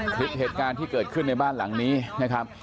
คลิปเหตุการณ์ที่เกิดขึ้นในบ้านหลังนี้นะครับ